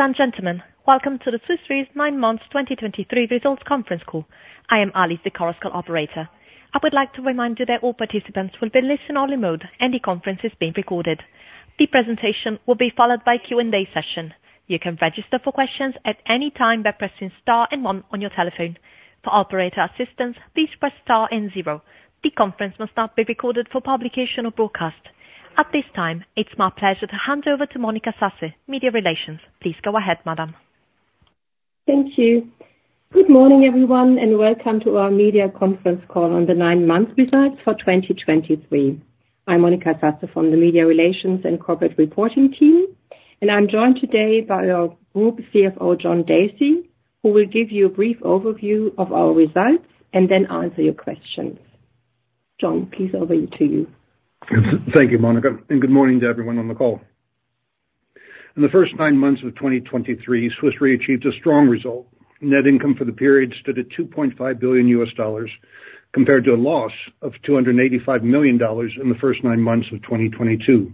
Ladies and gentlemen, welcome to the Swiss Re's nine months 2023 results conference call. I am Alice, the conference call operator. I would like to remind you that all participants will be in listen-only mode, and the conference is being recorded. The presentation will be followed by a Q&A session. You can register for questions at any time by pressing star and one on your telephone. For operator assistance, please press star and zero. The conference must not be recorded for publication or broadcast. At this time, it's my pleasure to hand over to Monika Sasse, Media Relations. Please go ahead, madam. Thank you. Good morning, everyone, and welcome to our media conference call on the nine-month results for 2023. I'm Monika Sasse from the Media Relations and Corporate Reporting team, and I'm joined today by our Group CFO, John Dacey, who will give you a brief overview of our results and then answer your questions. John, please, over to you. Thank you, Monika, and good morning to everyone on the call. In the first nine months of 2023, Swiss Re achieved a strong result. Net income for the period stood at $2.5 billion, compared to a loss of $285 million in the first nine months of 2022.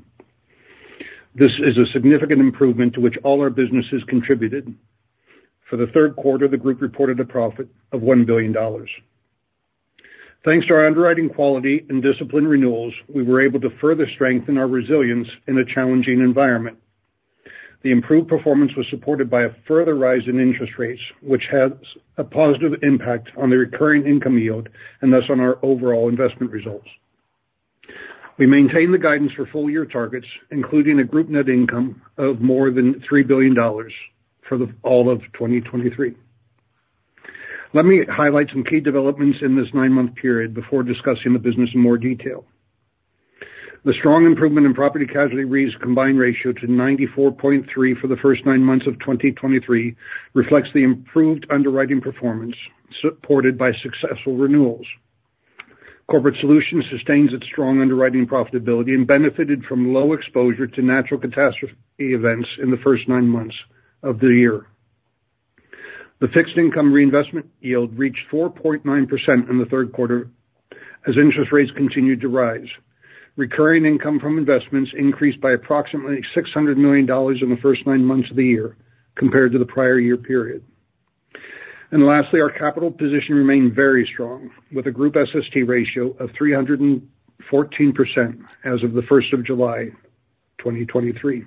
This is a significant improvement to which all our businesses contributed. For the third quarter, the group reported a profit of $1 billion. Thanks to our underwriting quality and discipline renewals, we were able to further strengthen our resilience in a challenging environment. The improved performance was supported by a further rise in interest rates, which has a positive impact on the recurring income yield and thus on our overall investment results. We maintain the guidance for full year targets, including a group net income of more than $3 billion for all of 2023. Let me highlight some key developments in this nine-month period before discussing the business in more detail. The strong improvement in Property & Casualty Re's combined ratio to 94.3 for the first nine months of 2023 reflects the improved underwriting performance supported by successful renewals. Corporate Solutions sustains its strong underwriting profitability and benefited from low exposure to natural catastrophe events in the first nine months of the year. The fixed income reinvestment yield reached 4.9% in the third quarter as interest rates continued to rise. Recurring income from investments increased by approximately $600 million in the first nine months of the year compared to the prior year period. And lastly, our capital position remained very strong, with a Group SST ratio of 314% as of July 1, 2023.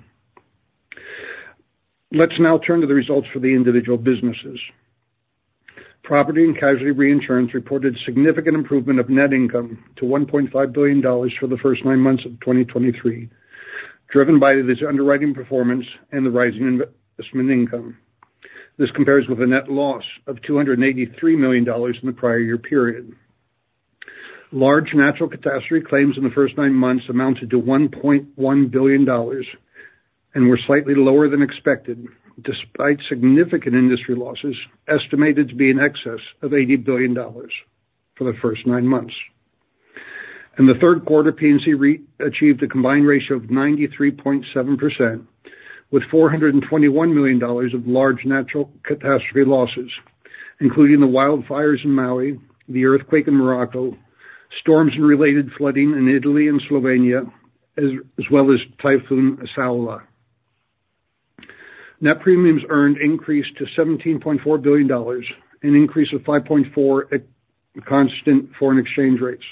Let's now turn to the results for the individual businesses. Property and Casualty Reinsurance reported significant improvement of net income to $1.5 billion for the first nine months of 2023, driven by this underwriting performance and the rising investment income. This compares with a net loss of $283 million in the prior year period. Large natural catastrophe claims in the first nine months amounted to $1.1 billion and were slightly lower than expected, despite significant industry losses estimated to be in excess of $80 billion for the first nine months. In the third quarter, P&C Re achieved a combined ratio of 93.7%, with $421 million of large natural catastrophe losses, including the wildfires in Maui, the earthquake in Morocco, storms and related flooding in Italy and Slovenia, as well as Typhoon Saola. Net premiums earned increased to $17.4 billion, an increase of 5.4% at constant foreign exchange rates.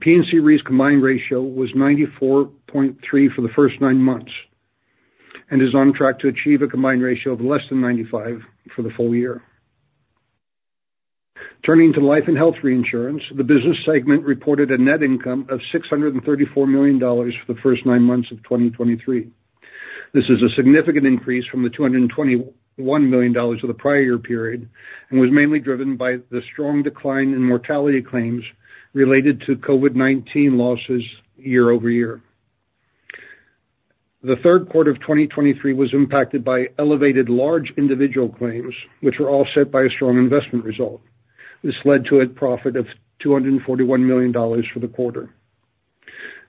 P&C Re's combined ratio was 94.3% for the first nine months and is on track to achieve a combined ratio of less than 95% for the full year. Turning to Life & Health Reinsurance, the business segment reported a net income of $634 million for the first nine months of 2023. This is a significant increase from $221 million for the prior year period and was mainly driven by the strong decline in mortality claims related to COVID-19 losses year over year. The third quarter of 2023 was impacted by elevated large individual claims, which were all set by a strong investment result. This led to a profit of $241 million for the quarter.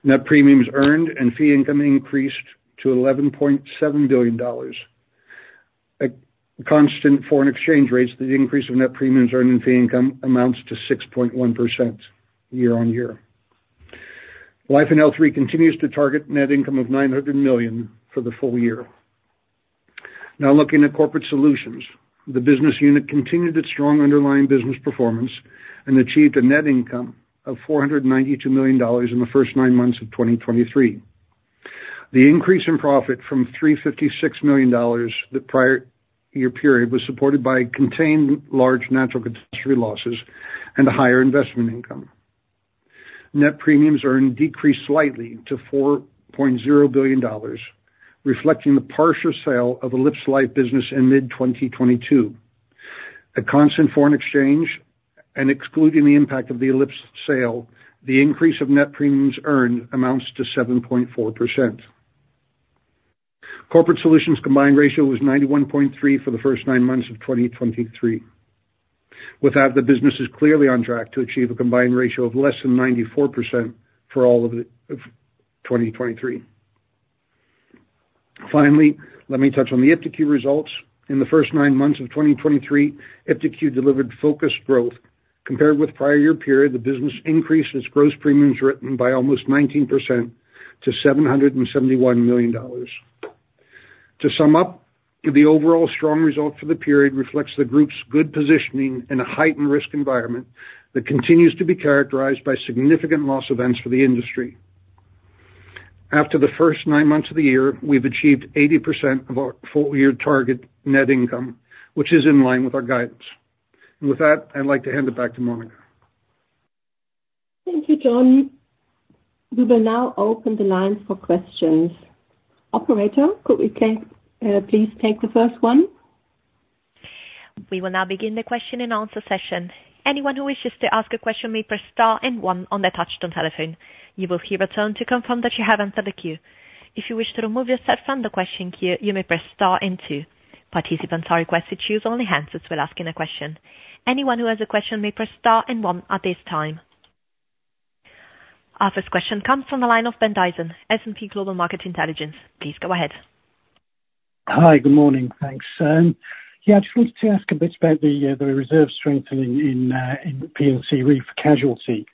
Net premiums earned and fee income increased to $11.7 billion. At constant foreign exchange rates, the increase of net premiums earned in fee income amounts to 6.1% year on year. L&H continues to target net income of $900 million for the full year. Now, looking at Corporate Solutions, the business unit continued its strong underlying business performance and achieved a net income of $492 million in the first nine months of 2023. The increase in profit from $356 million, the prior year period, was supported by contained large natural catastrophe losses and a higher investment income. Net premiums earned decreased slightly to $4.0 billion, reflecting the partial sale of elipsLife business in mid-2022. At constant foreign exchange and excluding the impact of the elipsLife sale, the increase of net premiums earned amounts to 7.4%. Corporate Solutions' Combined Ratio was 91.3 for the first nine months of 2023. With that, the business is clearly on track to achieve a Combined Ratio of less than 94% for all of 2023. Finally, let me touch on the iptiQ results. In the first nine months of 2023, iptiQ delivered focused growth compared with prior year period, the business increased its gross premiums written by almost 19% to $771 million. To sum up, the overall strong result for the period reflects the group's good positioning in a heightened risk environment that continues to be characterized by significant loss events for the industry. After the first nine months of the year, we've achieved 80% of our full year target net income, which is in line with our guidance. And with that, I'd like to hand it back to Monika. Thank you, John. We will now open the line for questions. Operator, could we please take the first one? We will now begin the question and answer session. Anyone who wishes to ask a question may press star and one on their touchtone telephone. You will hear a tone to confirm that you have entered the queue. If you wish to remove yourself from the question queue, you may press star and two. Participants are requested to use only hands while asking a question. Anyone who has a question may press star and one at this time. Our first question comes from the line of Ben Dyson, S&P Global Market Intelligence. Please go ahead. Hi, good morning. Thanks. Yeah, I just wanted to ask a bit about the reserve strengthening in P&C Re casualty.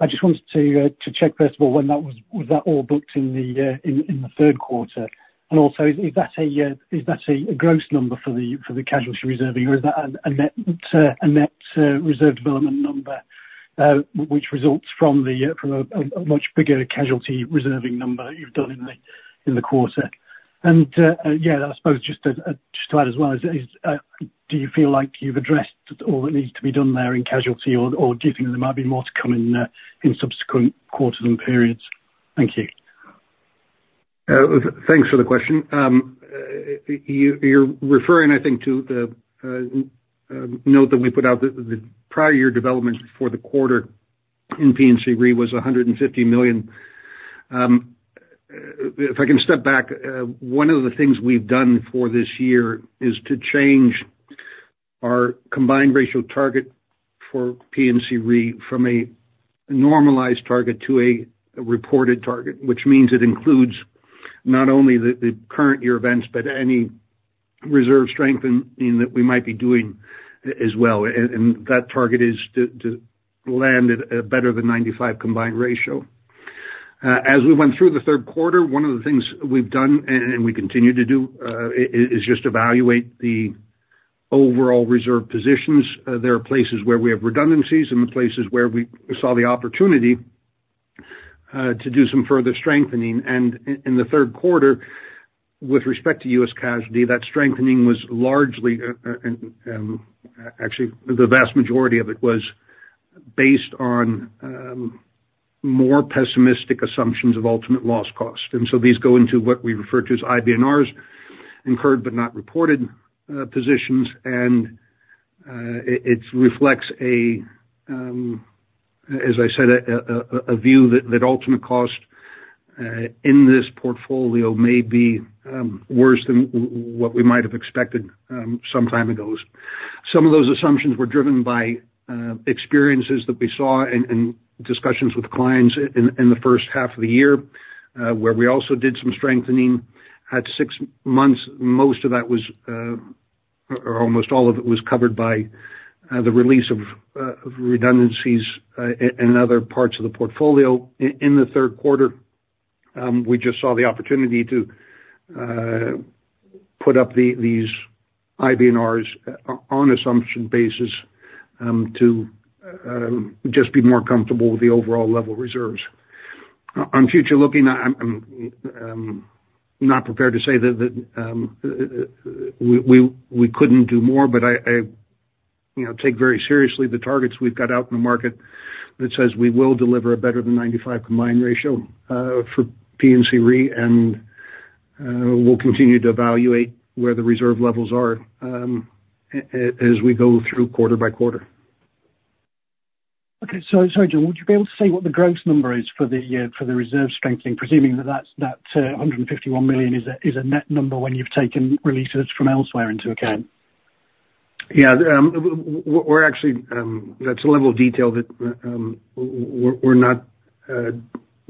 I just wanted to check, first of all, when that was. Was that all booked in the third quarter? And also, is that a gross number for the casualty reserving, or is that a net reserve development number, which results from a much bigger casualty reserving number you've done in the quarter? And yeah, I suppose just to add as well, do you feel like you've addressed all that needs to be done there in casualty, or do you think there might be more to come in subsequent quarters and periods? Thank you. Thanks for the question. You're referring, I think, to the note that we put out the prior year developments for the quarter in P&C Re was $150 million. If I can step back, one of the things we've done for this year is to change our combined ratio target for P&C Re from a normalized target to a reported target, which means it includes not only the current year events, but any reserve strengthening that we might be doing as well. And that target is to land at a better than 95 combined ratio. As we went through the third quarter, one of the things we've done and we continue to do is just evaluate the overall reserve positions. There are places where we have redundancies and the places where we saw the opportunity to do some further strengthening. In the third quarter, with respect to U.S. Casualty, that strengthening was largely actually the vast majority of it was based on more pessimistic assumptions of ultimate loss cost. So these go into what we refer to as IBNRs, Incurred But Not Reported, positions. It reflects, as I said, a view that ultimate cost in this portfolio may be worse than what we might have expected some time ago. Some of those assumptions were driven by experiences that we saw and discussions with clients in the first half of the year, where we also did some strengthening. At six months, most of that was, or almost all of it was covered by the release of redundancies in other parts of the portfolio. In the third quarter, we just saw the opportunity to put up these IBNRs on assumption basis, to just be more comfortable with the overall level reserves. On forward-looking, I'm not prepared to say that we couldn't do more, but I you know take very seriously the targets we've got out in the market that says we will deliver a better than 95% Combined Ratio for P&C Re, and we'll continue to evaluate where the reserve levels are as we go through quarter by quarter. Okay. So sorry, John, would you be able to say what the gross number is for the reserve strengthening, presuming that that's $151 million is a net number when you've taken releases from elsewhere into account? Yeah, we're actually, that's a level of detail that we're not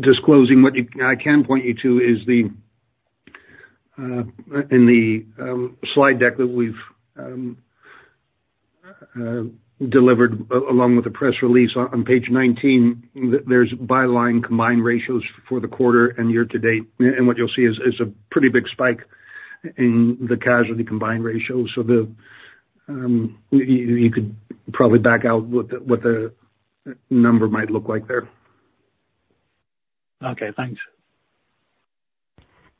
disclosing. What I can point you to is the, in the slide deck that we've delivered along with the press release on page 19, there's by line combined ratios for the quarter and year to date. And what you'll see is a pretty big spike in the casualty combined ratio. So you could probably back out what the number might look like there. Okay, thanks.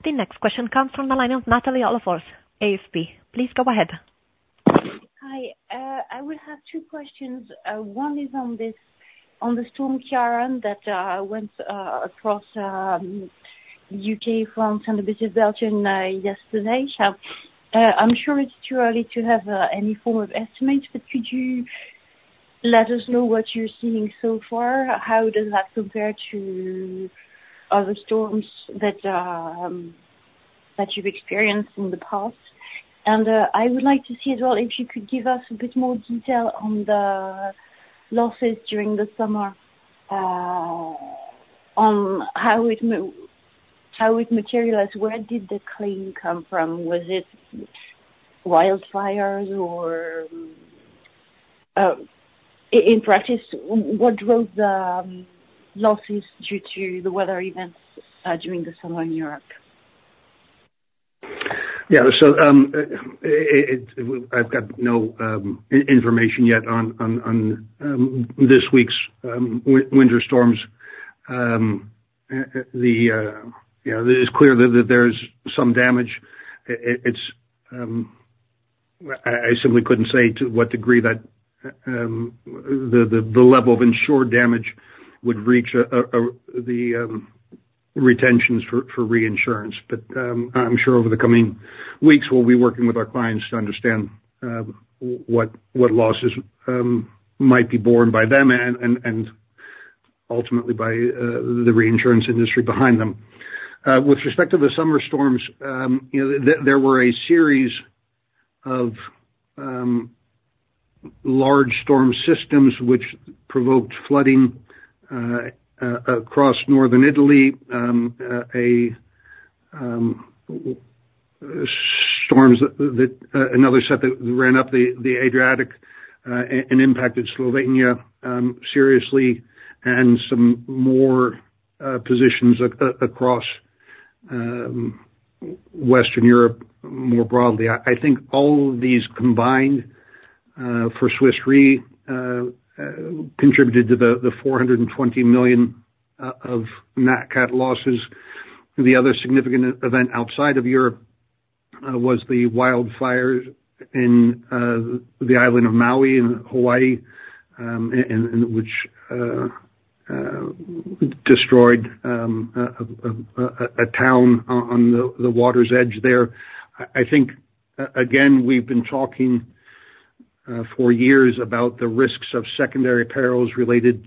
The next question comes from the line of Nathalie Olof-Ors, AFP. Please go ahead. Hi. I will have two questions. One is on this, on the Storm Ciarán, that went across UK, France, and a bit of Belgium yesterday. I'm sure it's too early to have any form of estimates, but could you let us know what you're seeing so far? How does that compare to other storms that you've experienced in the past? And I would like to see as well, if you could give us a bit more detail on the losses during the summer. How it materialize, where did the claim come from? Was it wildfires or in practice, what drove the losses due to the weather events during the summer in Europe? Yeah. So, it's. I've got no information yet on this week's winter storms. You know, it's clear that there's some damage. I simply couldn't say to what degree that the level of insured damage would reach the retentions for reinsurance. But, I'm sure over the coming weeks, we'll be working with our clients to understand what losses might be borne by them and ultimately by the reinsurance industry behind them. With respect to the summer storms, you know, there were a series of large storm systems which provoked flooding across northern Italy, storms that another set that ran up the Adriatic and impacted Slovenia seriously, and some more positions across Western Europe more broadly. I think all of these combined for Swiss Re contributed to the $420 million of nat cat losses. The other significant event outside of Europe was the wildfires in the island of Maui in Hawaii, and which destroyed a town on the water's edge there. I think, again, we've been talking for years about the risks of secondary perils related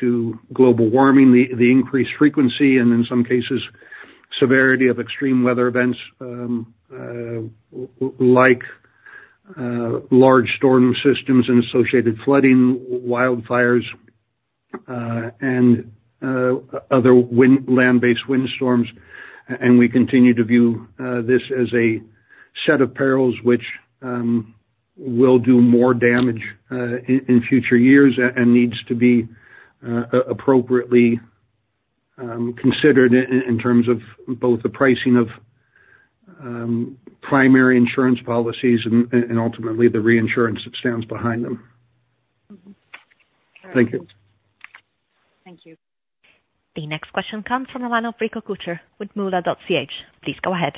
to global warming, the increased frequency, and in some cases, severity of extreme weather events, like large storm systems and associated flooding, wildfires, and other land-based windstorms. And we continue to view this as a set of perils which will do more damage in future years, and needs to be appropriately considered in terms of both the pricing of primary insurance policies and ultimately the reinsurance that stands behind them. Mm-hmm. Thank you. Thank you. The next question comes from the line of Rico Kutscher with Moneycab. Please go ahead.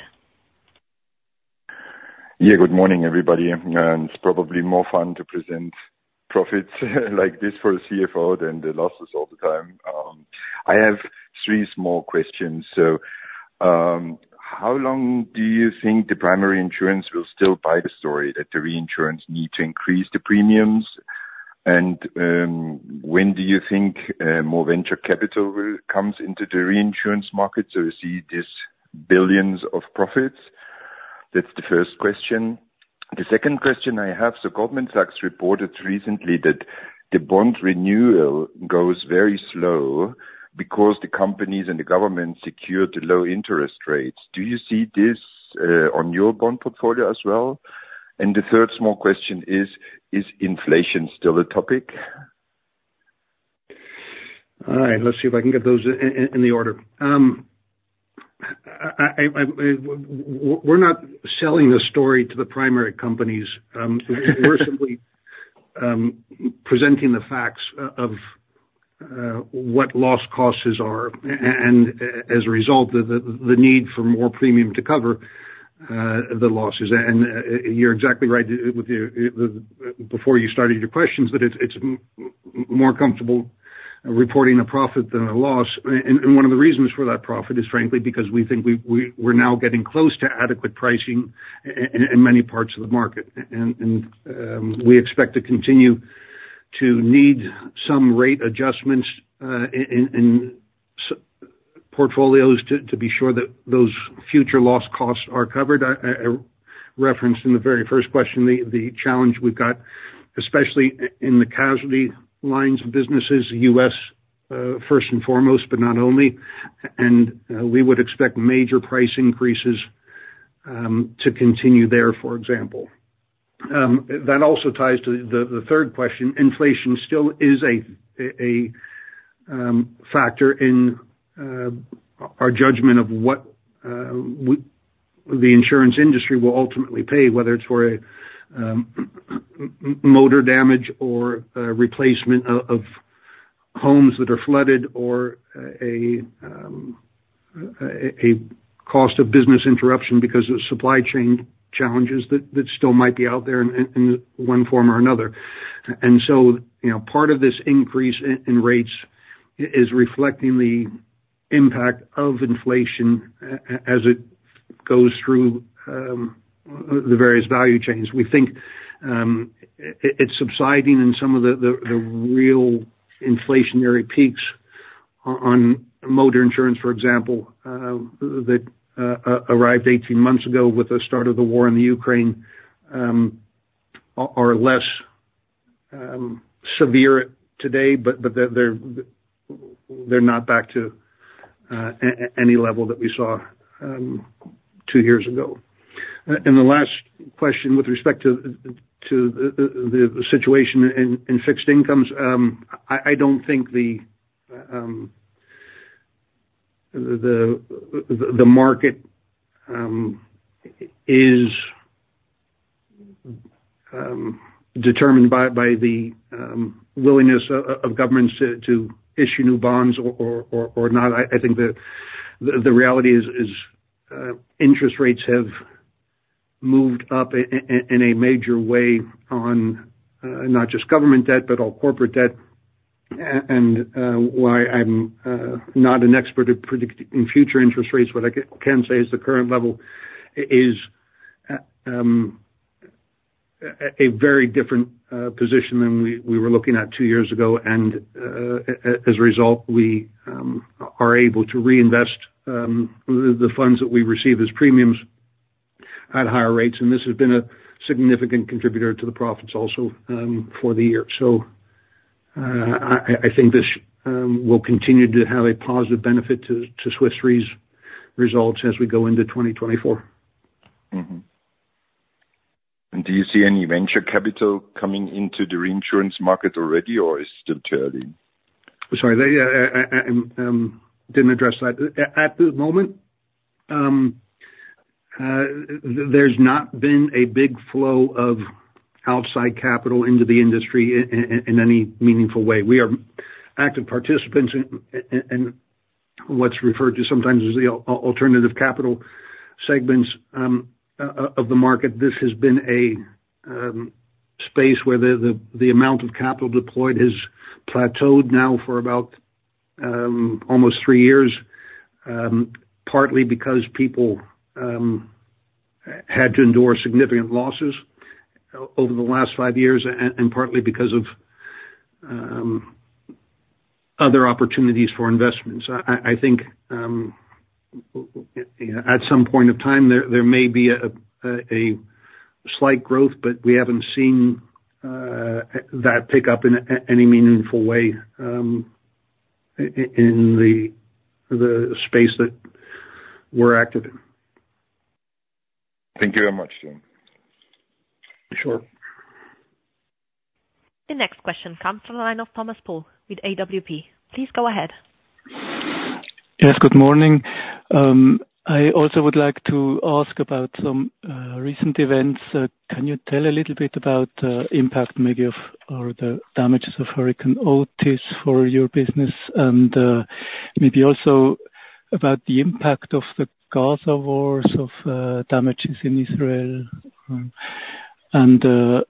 Yeah, good morning, everybody, and it's probably more fun to present profits like this for the CFO than the losses all the time. I have three small questions. So, how long do you think the primary insurance will still buy the story that the reinsurance need to increase the premiums? And, when do you think more venture capital will comes into the reinsurance market to see these billions of profits? That's the first question. The second question I have, so Goldman Sachs reported recently that the bond renewal goes very slow because the companies and the government secured the low interest rates. Do you see this on your bond portfolio as well? And the third small question is, is inflation still a topic? All right, let's see if I can get those in the order. We're not selling the story to the primary companies, we're simply presenting the facts of what loss costs are, and as a result, the need for more premium to cover the losses. And you're exactly right with your... before you started your questions, that it's more comfortable reporting a profit than a loss. And one of the reasons for that profit is frankly, because we think we're now getting close to adequate pricing in many parts of the market. And we expect to continue to need some rate adjustments in portfolios to be sure that those future loss costs are covered. I referenced in the very first question, the challenge we've got, especially in the casualty lines of businesses, U.S., first and foremost, but not only, and we would expect major price increases to continue there, for example. That also ties to the third question: Inflation still is a factor in our judgment of what the insurance industry will ultimately pay, whether it's for a motor damage or a replacement of homes that are flooded or a cost of business interruption because of supply chain challenges that still might be out there in one form or another. And so, you know, part of this increase in rates is reflecting the impact of inflation as it goes through the various value chains. We think it's subsiding in some of the real inflationary peaks on motor insurance, for example, that arrived 18 months ago with the start of the war in the Ukraine, are less severe today, but they're not back to any level that we saw two years ago. The last question with respect to the situation in fixed incomes, I don't think the market is determined by the willingness of governments to issue new bonds or not. I think the reality is interest rates have moved up in a major way on not just government debt, but all corporate debt. While I'm not an expert at predicting in future interest rates, what I can say is the current level is a very different position than we were looking at two years ago. As a result, we are able to reinvest the funds that we receive as premiums at higher rates, and this has been a significant contributor to the profits also for the year. So I think this will continue to have a positive benefit to Swiss Re's results as we go into 2024. Mm-hmm. And do you see any venture capital coming into the reinsurance market already, or it's still charity? Sorry, I didn't address that. At the moment, there's not been a big flow of outside capital into the industry in any meaningful way. We are active participants in what's referred to sometimes as the alternative capital segments, of the market. This has been a space where the amount of capital deployed has plateaued now for about almost three years, partly because people had to endure significant losses over the last five years, and partly because of other opportunities for investments. I think at some point of time, there may be a slight growth, but we haven't seen that pick up in any meaningful way, in the space that we're active in. Thank you very much, Jim. Sure. The next question comes from the line of Thomas Pohl with AWP. Please go ahead. Yes, good morning. I also would like to ask about some recent events. Can you tell a little bit about the impact maybe of, or the damages of Hurricane Otis for your business? And maybe also about the impact of the Gaza Wars of damages in Israel. And the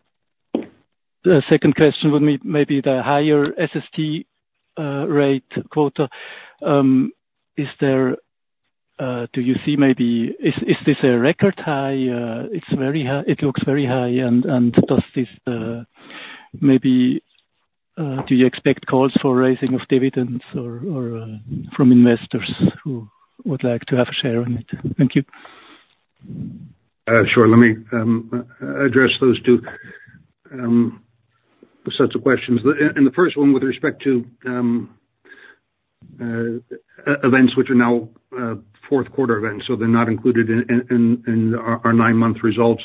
second question would be maybe the higher SST ratio. Is there -- do you see maybe, is this a record high? It's very high. It looks very high. And does this maybe do you expect calls for raising of dividends or from investors who would like to have a share on it? Thank you. Sure. Let me address those two sets of questions. The first one, with respect to events which are now fourth quarter events, so they're not included in our nine-month results.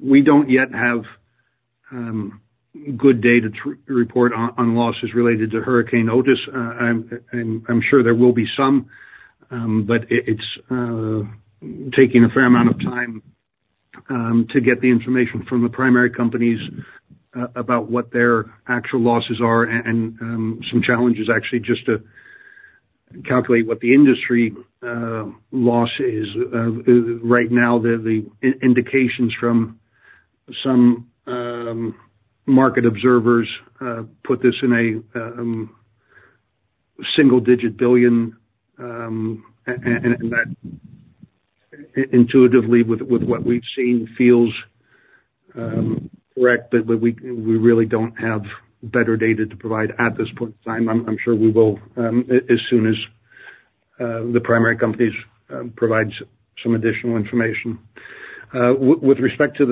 We don't yet have good data to report on losses related to Hurricane Otis. I'm sure there will be some, but it's taking a fair amount of time to get the information from the primary companies about what their actual losses are and some challenges actually, just to calculate what the industry loss is. Right now, the indications from some market observers put this in a $1-$9 billion and that intuitively, with what we've seen, feels correct. But we really don't have better data to provide at this point in time. I'm sure we will, as soon as the primary companies provide some additional information. With respect to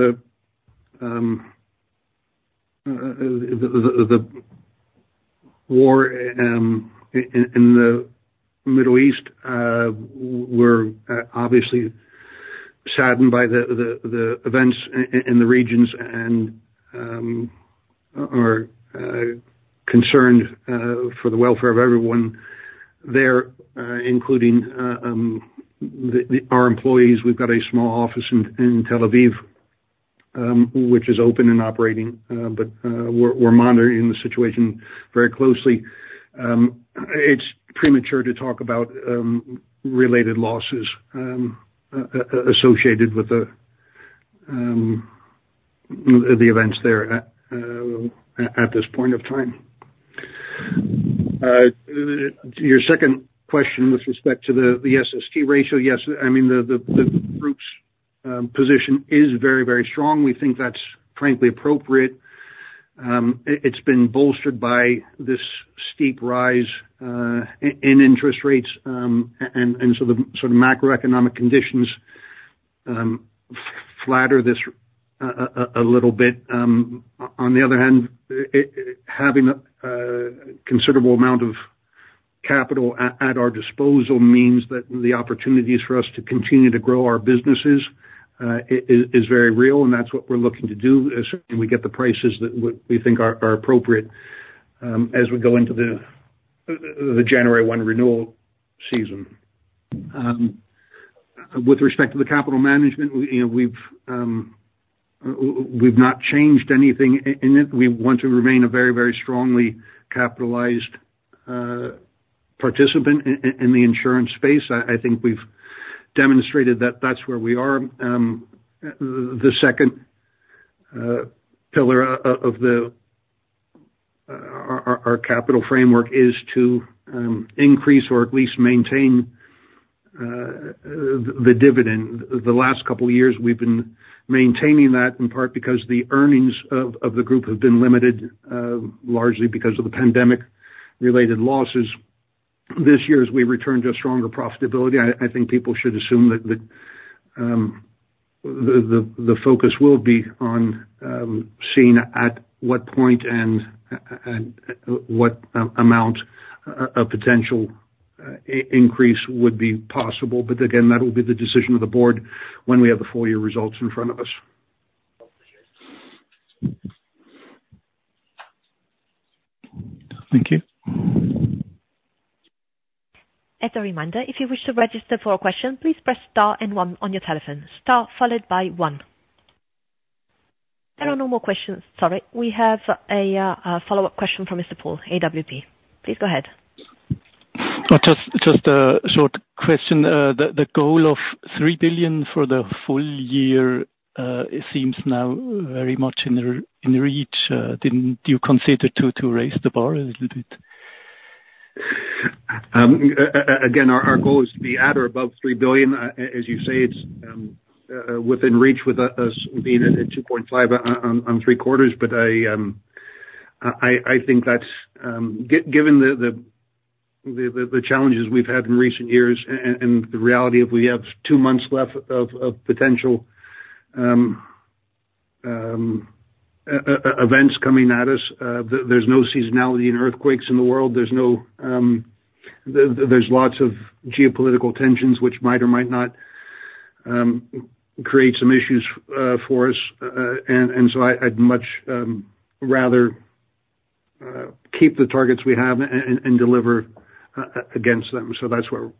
the war in the Middle East, we're obviously saddened by the events in the regions and are concerned for the welfare of everyone there, including our employees. We've got a small office in Tel Aviv, which is open and operating, but we're monitoring the situation very closely. It's premature to talk about related losses associated with the events there, at this point of time. Your second question with respect to the SST ratio, yes, I mean, the group's position is very, very strong. We think that's frankly appropriate. It's been bolstered by this steep rise in interest rates. And so the sort of macroeconomic conditions flatter this a little bit. On the other hand, having a considerable amount of capital at our disposal means that the opportunities for us to continue to grow our businesses is very real, and that's what we're looking to do as soon as we get the prices that we think are appropriate, as we go into the January one renewal season. With respect to the capital management, you know, we've not changed anything in it. We want to remain a very, very strongly capitalized participant in the insurance space. I think we've demonstrated that that's where we are. The second pillar of our capital framework is to increase or at least maintain the dividend. The last couple of years we've been maintaining that, in part because the earnings of the group have been limited, largely because of the pandemic-related losses. This year, as we return to a stronger profitability, I think people should assume that the focus will be on seeing at what point and what amount of potential increase would be possible. But again, that will be the decision of the board when we have the full year results in front of us. Thank you. As a reminder, if you wish to register for a question, please press star and one on your telephone. Star followed by one. There are no more questions. Sorry, we have a follow-up question from Mr. Pohl, AWP. Please go ahead. Just a short question. The goal of $3 billion for the full year, it seems now very much in reach. Didn't you consider to raise the bar a little bit? Again, our goal is to be at or above $3 billion. As you say, it's within reach with us being at $2.5 on three quarters. But I think that's given the challenges we've had in recent years and the reality of we have two months left of potential events coming at us. There's no seasonality in earthquakes in the world. There's lots of geopolitical tensions which might or might not create some issues for us. And so I'd much rather keep the targets we have and deliver against them. So that's where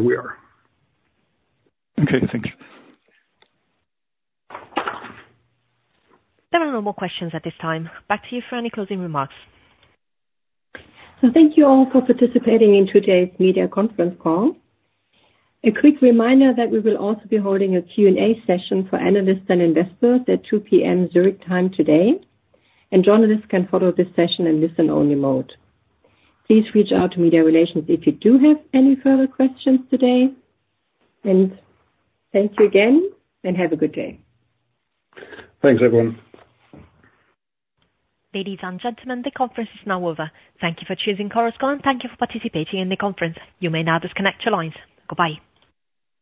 we are. Okay, thank you. There are no more questions at this time. Back to you for any closing remarks. Thank you all for participating in today's media conference call. A quick reminder that we will also be holding a Q&A session for analysts and investors at 2:00 P.M. Zurich time today, and journalists can follow this session in listen-only mode. Please reach out to media relations if you do have any further questions today, and thank you again, and have a good day. Thanks, everyone. Ladies and gentlemen, the conference is now over. Thank you for choosing Chorus Call, and thank you for participating in the conference. You may now disconnect your lines. Goodbye.